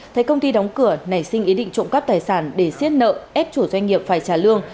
thấy công ty đóng cửa nảy sinh ý định trộm cắp tài sản để xiết nợ ép chủ doanh nghiệp phải trả lương